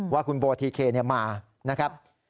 ว่าคุณโบทีเคมานะครับ